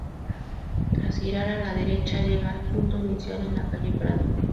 Tras girar a la derecha llega al punto inicial en la Calle Prado.